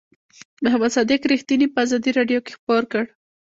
محمد صادق رښتیني په آزادۍ رادیو کې خپور کړ.